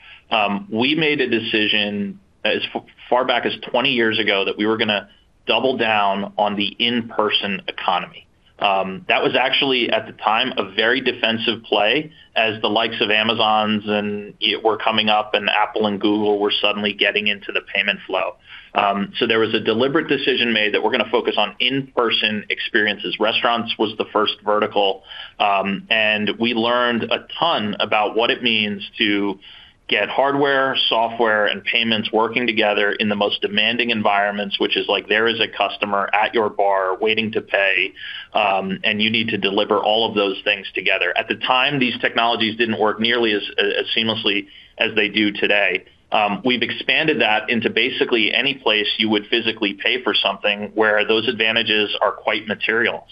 We made a decision as far back as 20 years ago that we were gonna double down on the in-person economy. That was actually, at the time, a very defensive play as the likes of Amazon and were coming up, and Apple and Google were suddenly getting into the payment flow. There was a deliberate decision made that we're gonna focus on in-person experiences. Restaurants was the first vertical, we learned a ton about what it means to get hardware, software, and payments working together in the most demanding environments, which is like there is a customer at your bar waiting to pay, and you need to deliver all of those things together. At the time, these technologies didn't work nearly as seamlessly as they do today. We've expanded that into basically any place you would physically pay for something where those advantages are quite material.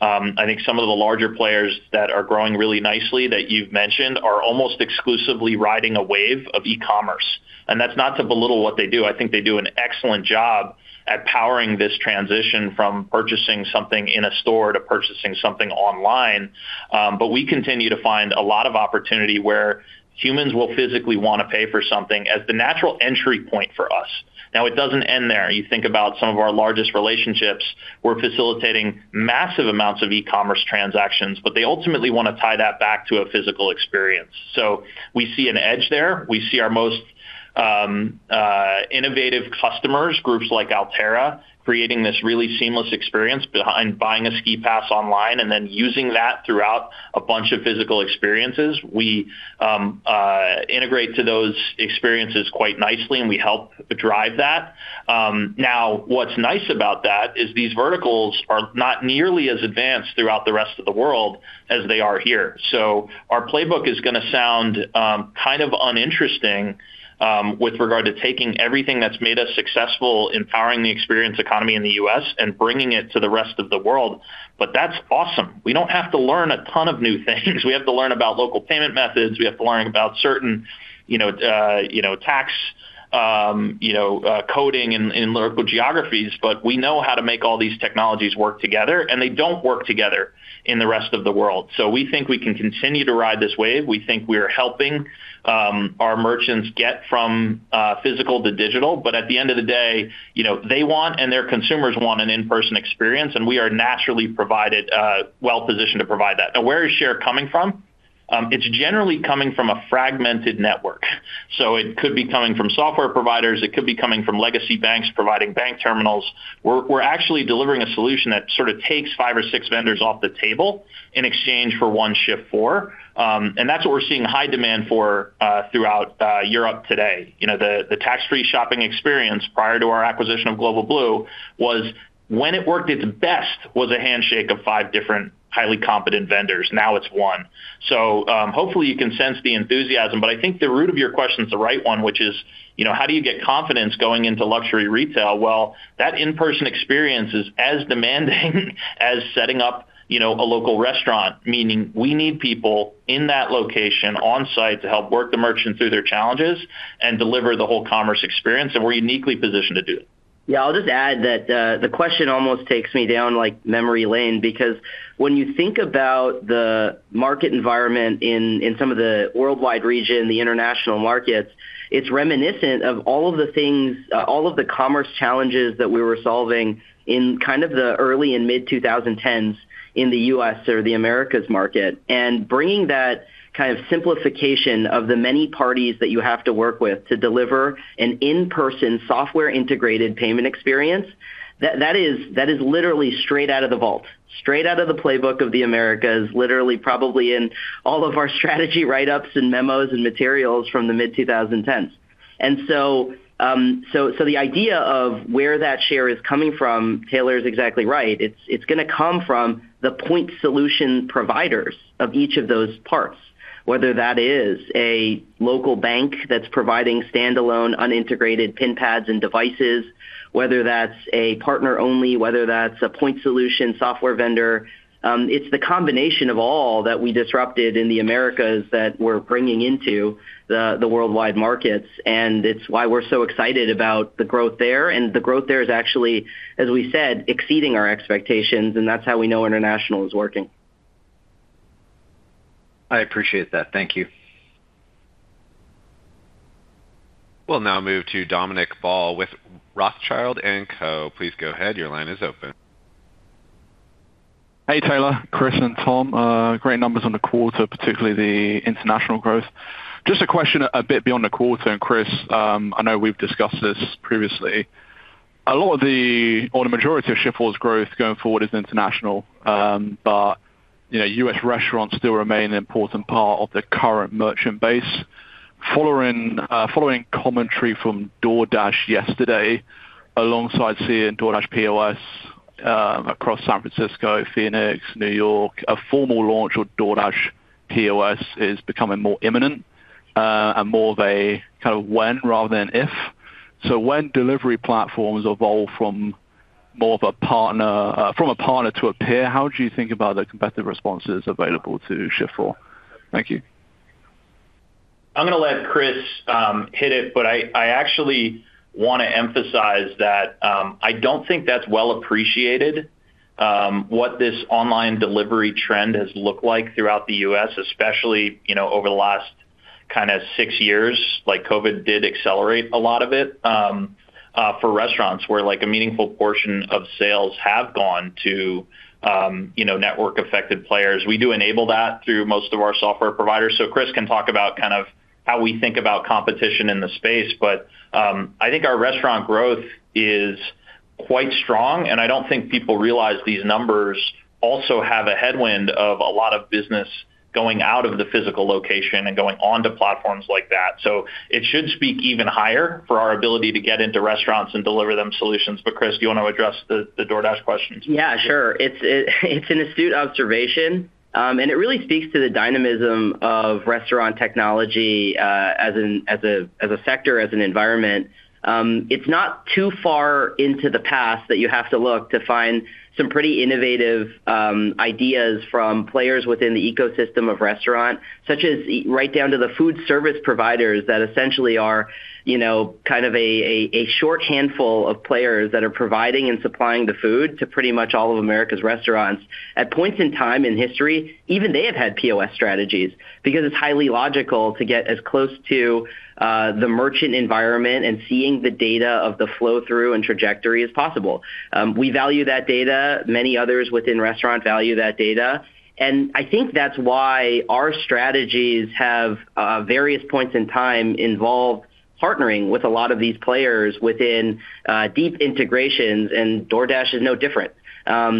I think some of the larger players that are growing really nicely that you've mentioned are almost exclusively riding a wave of e-commerce, and that's not to belittle what they do. I think they do an excellent job at powering this transition from purchasing something in a store to purchasing something online. We continue to find a lot of opportunity where humans will physically wanna pay for something as the natural entry point for us. Now, it doesn't end there. You think about some of our largest relationships, we're facilitating massive amounts of e-commerce transactions, but they ultimately wanna tie that back to a physical experience. We see an edge there. We see our most innovative customers, groups like Alterra, creating this really seamless experience behind buying a ski pass online and then using that throughout a bunch of physical experiences. We integrate to those experiences quite nicely, and we help drive that. Now, what's nice about that is these verticals are not nearly as advanced throughout the rest of the world as they are here. Our playbook is gonna sound kind of uninteresting with regard to taking everything that's made us successful in powering the experience economy in the U.S. and bringing it to the rest of the world, but that's awesome. We don't have to learn a ton of new things. We have to learn about local payment methods. We have to learn about certain, you know, you know, tax, you know, coding in local geographies, but we know how to make all these technologies work together, and they don't work together in the rest of the world. We think we can continue to ride this wave. We think we're helping our merchants get from physical to digital. At the end of the day, you know, they want and their consumers want an in-person experience, and we are naturally provided, well-positioned to provide that. Where is share coming from? It's generally coming from a fragmented network. It could be coming from software providers. It could be coming from legacy banks providing bank terminals. We're actually delivering a solution that sort of takes five or six vendors off the table in exchange for one Shift4. That's what we're seeing high demand for, throughout Europe today. You know, the tax-free shopping experience prior to our acquisition of Global Blue was, when it worked its best, was a handshake of five different highly competent vendors. It's one. Hopefully, you can sense the enthusiasm, but I think the root of your question is the right one, which is, you know, how do you get confidence going into luxury retail? That in-person experience is as demanding as setting up, you know, a local restaurant, meaning we need people in that location on-site to help work the merchant through their challenges and deliver the whole commerce experience, and we're uniquely positioned to do that. Yeah. I'll just add that the question almost takes me down, like, memory lane because when you think about the market environment in some of the worldwide region, the international markets, it's reminiscent of all of the things, all of the commerce challenges that we were solving in kind of the early and mid-2010s in the U.S. or the Americas market. Bringing that kind of simplification of the many parties that you have to work with to deliver an in-person software integrated payment experience, that is literally straight out of the vault, straight out of the playbook of the Americas, literally probably in all of our strategy write-ups and memos and materials from the mid-2010s. So, the idea of where that share is coming from, Taylor is exactly right. It's gonna come from the point solution providers of each of those parts, whether that is a local bank that's providing standalone unintegrated PIN pads and devices, whether that's a partner only, whether that's a point solution software vendor. It's the combination of all that we disrupted in the Americas that we're bringing into the worldwide markets, and it's why we're so excited about the growth there. The growth there is actually, as we said, exceeding our expectations, and that's how we know international is working. I appreciate that. Thank you. We'll now move to Dominic Ball with Rothschild & Co. Please go ahead. Your line is open. Hey, Taylor, Chris, and Tom. Great numbers on the quarter, particularly the international growth. Just a question a bit beyond the quarter. Chris, I know we've discussed this previously. The majority of Shift4's growth going forward is international. You know, U.S. restaurants still remain an important part of the current merchant base. Following commentary from DoorDash yesterday, alongside seeing DoorDash POS, across San Francisco, Phoenix, New York, a formal launch with DoorDash POS is becoming more imminent, and more of a kind of when rather than if. When delivery platforms evolve from a partner to a peer, how do you think about the competitive responses available to Shift4? Thank you. I'm gonna let Chris hit it, but I actually wanna emphasize that I don't think that's well appreciated, what this online delivery trend has looked like throughout the U.S., especially, you know, over the last kinda six years. COVID did accelerate a lot of it for restaurants where, like, a meaningful portion of sales have gone to, you know, network-affected players. We do enable that through most of our software providers. Chris can talk about kind of how we think about competition in the space. I think our restaurant growth is quite strong, and I don't think people realize these numbers also have a headwind of a lot of business going out of the physical location and going onto platforms like that. It should speak even higher for our ability to get into restaurants and deliver them solutions. Chris, do you wanna address the DoorDash question? Sure. It's an astute observation. It really speaks to the dynamism of restaurant technology as a sector, as an environment. It's not too far into the past that you have to look to find some pretty innovative ideas from players within the ecosystem of restaurant, such as right down to the food service providers that essentially are, you know, kind of a short handful of players that are providing and supplying the food to pretty much all of America's restaurants. At points in time in history, even they have had POS strategies because it's highly logical to get as close to the merchant environment and seeing the data of the flow-through and trajectory as possible. We value that data. Many others within restaurant value that data. I think that's why our strategies have, various points in time involved partnering with a lot of these players within, deep integrations, and DoorDash is no different.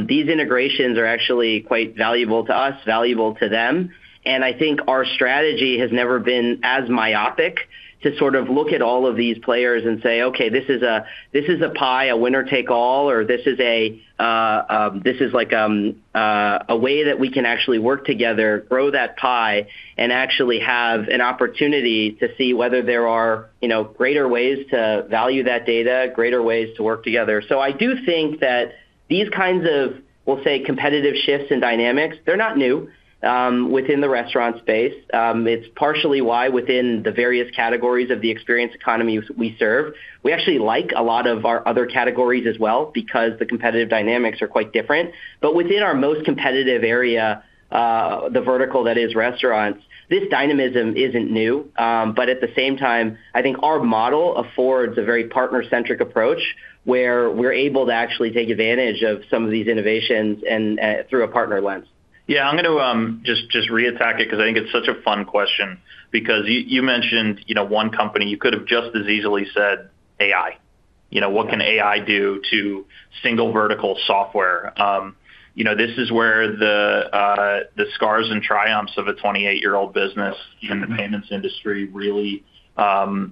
These integrations are actually quite valuable to us, valuable to them, and I think our strategy has never been as myopic to sort of look at all of these players and say, "Okay, this is a pie, a winner take all, or this is like a way that we can actually work together, grow that pie, and actually have an opportunity to see whether there are, you know, greater ways to value that data, greater ways to work together." I do think that these kinds of, we'll say, competitive shifts and dynamics, they're not new, within the restaurant space. It's partially why within the various categories of the experience economies we serve, we actually like a lot of our other categories as well because the competitive dynamics are quite different. Within our most competitive area, the vertical that is restaurants, this dynamism isn't new. At the same time, I think our model affords a very partner-centric approach, where we're able to actually take advantage of some of these innovations and through a partner lens. I'm gonna just re-attack it 'cause I think it's such a fun question. You mentioned, you know, one company. You could have just as easily said AI. You know, what can AI do to single vertical software? You know, this is where the scars and triumphs of a 28-year-old business in the payments industry really,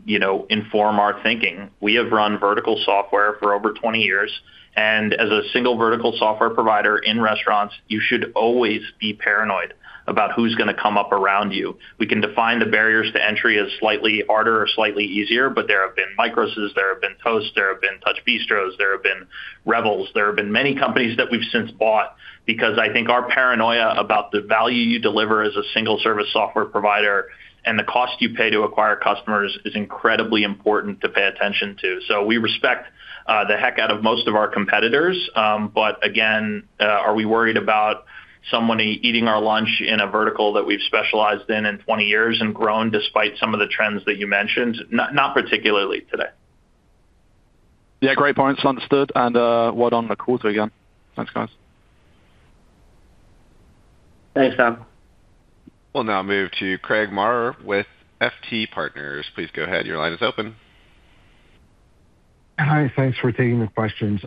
you know, inform our thinking. We have run vertical software for over 20 years, as a single vertical software provider in restaurants, you should always be paranoid about who's gonna come up around you. We can define the barriers to entry as slightly harder or slightly easier, there have been MICROS, there have been Toast, there have been TouchBistro, there have been Revel. There have been many companies that we've since bought because I think our paranoia about the value you deliver as a single service software provider and the cost you pay to acquire customers is incredibly important to pay attention to. We respect the heck out of most of our competitors. Again, are we worried about somebody eating our lunch in a vertical that we've specialized in in 20 years and grown despite some of the trends that you mentioned? Not particularly today. Yeah, great points. Understood. Well done on the quarter again. Thanks, guys. Thanks, Dom. We'll now move to Craig Maurer with FT Partners. Please go ahead. Your line is open. Hi, thanks for taking the questions.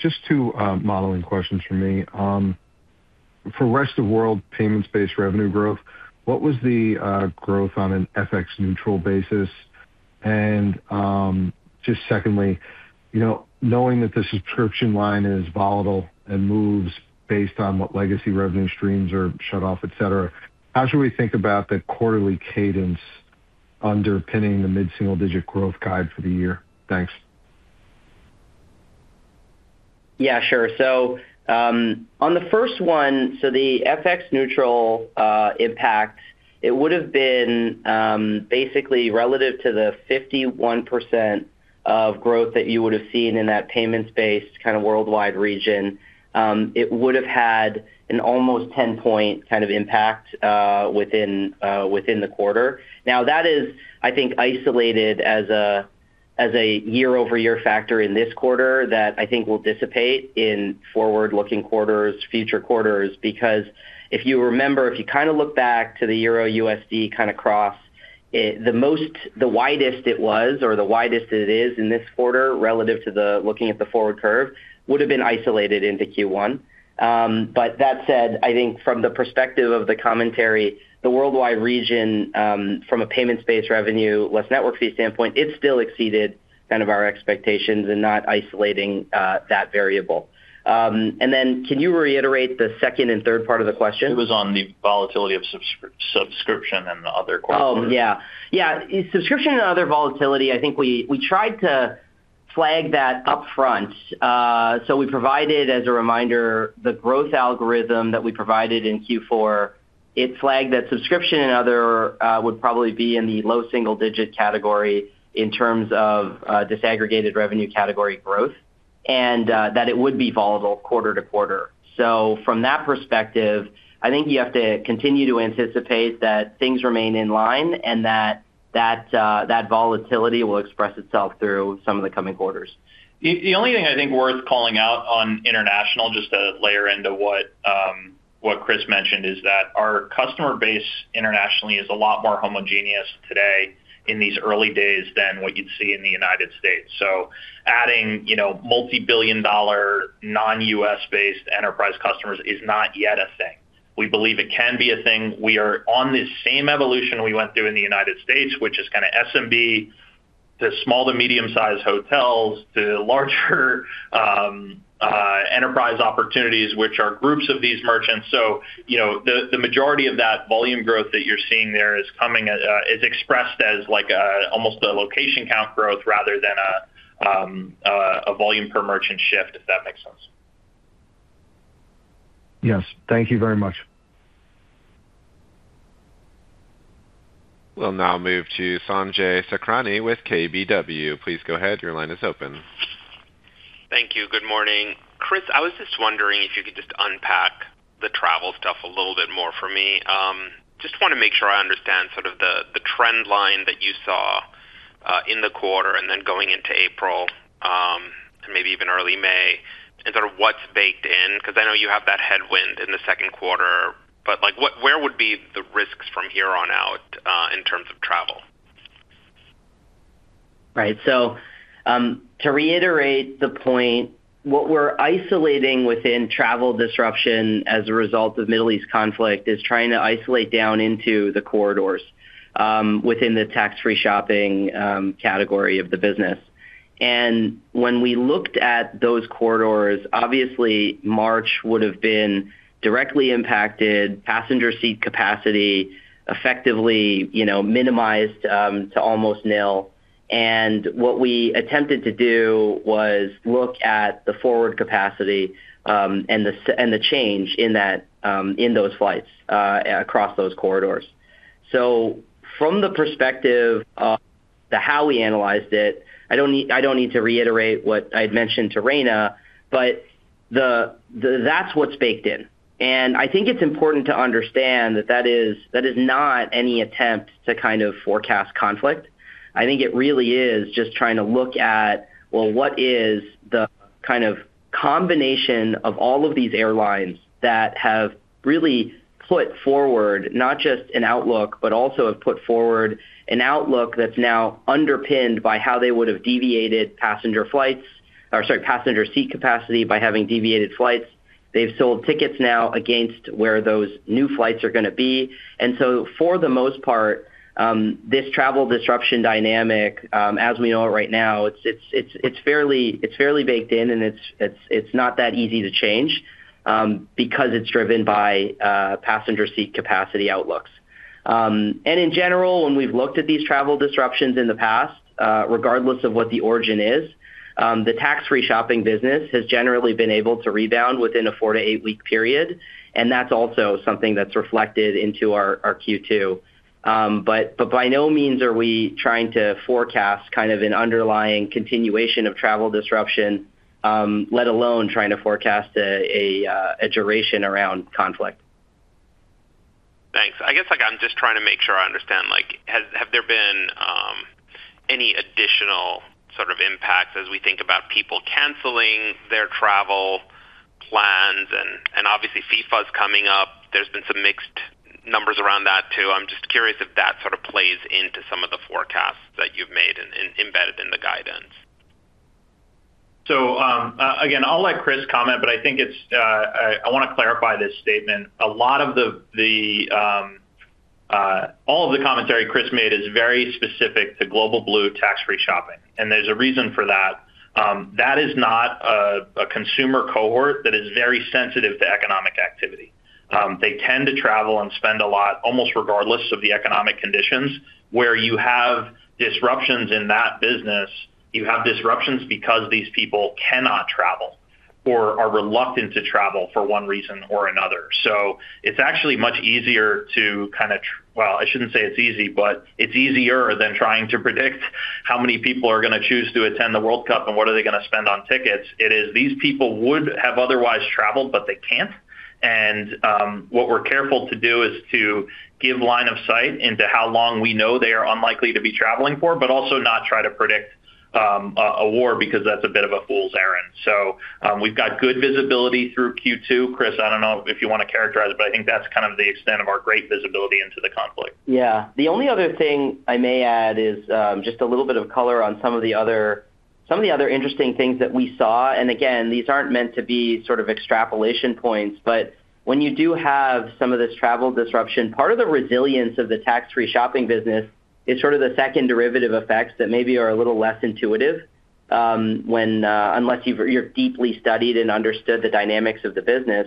Just two modeling questions from me. For rest of world payments-based revenue growth, what was the growth on an FX neutral basis? Just secondly, you know, knowing that the subscription line is volatile and moves based on what legacy revenue streams are shut off, et cetera, how should we think about the quarterly cadence underpinning the mid-single digit growth guide for the year? Thanks. Yeah, sure. On the first one, the FX neutral impact, it would have been basically relative to the 51% of growth that you would have seen in that payments-based kind of worldwide region. It would have had an almost 10-point kind of impact within the quarter. Now, that is, I think, isolated as a year-over-year factor in this quarter that I think will dissipate in forward-looking quarters, future quarters. If you remember, if you kind of look back to the EUR USD kind of cross, the most the widest it was or the widest it is in this quarter relative to the looking at the forward curve would have been isolated into Q1. That said, I think from the perspective of the commentary, the worldwide region, from a payments-based revenue less network fee standpoint, it still exceeded kind of our expectations and not isolating that variable. Can you reiterate the second and third part of the question? It was on the volatility of subscription and the other quarter. Yeah, subscription and other volatility, I think we tried to flag that up front. We provided as a reminder, the growth algorithm that we provided in Q4, it flagged that subscription and other would probably be in the low single digit category in terms of disaggregated revenue category growth, and that it would be volatile quarter to quarter. From that perspective, I think you have to continue to anticipate that things remain in line and that volatility will express itself through some of the coming quarters. The only thing I think worth calling out on international, just to layer into what Chris mentioned, is that our customer base internationally is a lot more homogeneous today in these early days than what you'd see in the United States. Adding, you know, multi-billion dollar non-U.S.-based enterprise customers is not yet a thing. We believe it can be a thing. We are on this same evolution we went through in the United States, which is kind of SMB to small to medium-sized hotels to larger enterprise opportunities, which are groups of these merchants. You know, the majority of that volume growth that you're seeing there is coming, is expressed as like, almost a location count growth rather than a volume per merchant shift, if that makes sense. Yes. Thank you very much. We'll now move to Sanjay Sakhrani with KBW. Please go ahead. Your line is open. Thank you. Good morning. Chris, I was just wondering if you could just unpack the travel stuff a little bit more for me. just wanna make sure I understand sort of the trend line that you saw in the quarter and then going into April, and maybe even early May and sort of what's baked in because I know you have that headwind in the second quarter. like, where would be the risks from here on out in terms of travel? Right. To reiterate the point, what we're isolating within travel disruption as a result of Middle East conflict is trying to isolate down into the corridors within the tax-free shopping category of the business. When we looked at those corridors, obviously March would have been directly impacted, passenger seat capacity effectively, you know, minimized to almost nil. What we attempted to do was look at the forward capacity and the change in that in those flights across those corridors. From the perspective of the how we analyzed it, I don't need to reiterate what I had mentioned to Rayna, but that's what's baked in. I think it's important to understand that that is not any attempt to kind of forecast conflict. I think it really is just trying to look at, well, what is the kind of combination of all of these airlines that have really put forward not just an outlook, but also have put forward an outlook that's now underpinned by how they would have deviated passenger flights, or sorry, passenger seat capacity by having deviated flights. They've sold tickets now against where those new flights are gonna be. For the most part, this travel disruption dynamic, as we know it right now, it's fairly baked in, and it's not that easy to change, because it's driven by passenger seat capacity outlooks. In general, when we've looked at these travel disruptions in the past, regardless of what the origin is, the tax-free shopping business has generally been able to rebound within a four to eight week period, and that's also something that's reflected into our Q2. By no means are we trying to forecast kind of an underlying continuation of travel disruption, let alone trying to forecast a duration around conflict. Thanks. I guess I'm just trying to make sure I understand, have there been any additional sort of impacts as we think about people canceling their travel plans, and obviously, FIFA's coming up? There's this mixed numbers around that too. I am just curious if that sort of plays into some of the forecasts that you've made and embedded in the guidance. Again, I'll let Chris comment, but I think it's, I wanna clarify this statement. All of the commentary Chris made is very specific to Global Blue tax-free shopping, and there's a reason for that. That is not a consumer cohort that is very sensitive to economic activity. They tend to travel and spend a lot almost regardless of the economic conditions. Where you have disruptions in that business, you have disruptions because these people cannot travel or are reluctant to travel for one reason or another. It's actually much easier Well, I shouldn't say it's easy, but it's easier than trying to predict how many people are gonna choose to attend the World Cup and what are they gonna spend on tickets. It is these people would have otherwise traveled, but they can't. What we're careful to do is to give line of sight into how long we know they are unlikely to be traveling for, but also not try to predict a war because that's a bit of a fool's errand. We've got good visibility through Q2. Chris, I don't know if you wanna characterize it, but I think that's kind of the extent of our great visibility into the conflict. Yeah. The only other thing I may add is, just a little bit of color on some of the other, some of the other interesting things that we saw. Again, these aren't meant to be sort of extrapolation points, but when you do have some of this travel disruption, part of the resilience of the tax-free shopping business is sort of the second derivative effects that maybe are a little less intuitive, when, unless you've deeply studied and understood the dynamics of the business.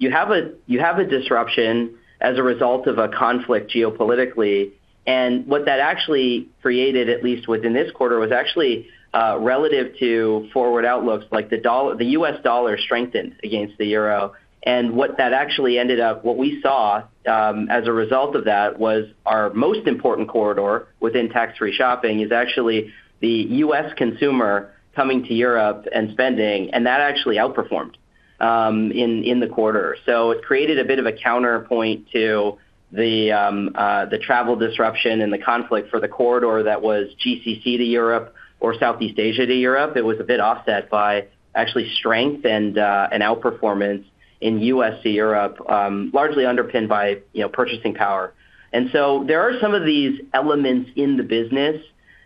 You have a, you have a disruption as a result of a conflict geopolitically, and what that actually created, at least within this quarter, was actually, relative to forward outlooks like the U.S. dollar strengthened against the euro. What we saw, as a result of that, was our most important corridor within tax-free shopping is actually the U.S. consumer coming to Europe and spending. That actually outperformed in the quarter. It created a bit of a counterpoint to the travel disruption and the conflict for the corridor that was GCC to Europe or Southeast Asia to Europe. It was a bit offset by actually strength and outperformance in U.S. to Europe, largely underpinned by, you know, purchasing power. There are some of these elements in the business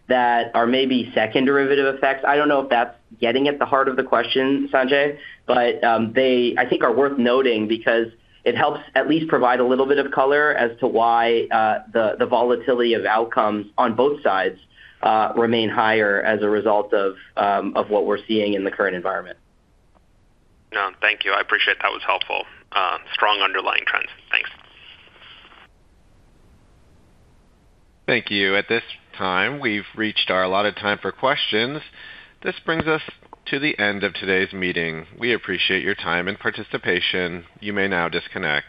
that are maybe second derivative effects. I don't know if that's getting at the heart of the question, Sanjay, but they I think are worth noting because it helps at least provide a little bit of color as to why the volatility of outcomes on both sides remain higher as a result of what we're seeing in the current environment. No, thank you. I appreciate that was helpful. Strong underlying trends. Thanks. Thank you. At this time, we've reached our allotted time for questions. This brings us to the end of today's meeting. We appreciate your time and participation. You may now disconnect.